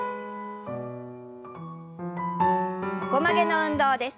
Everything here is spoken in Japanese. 横曲げの運動です。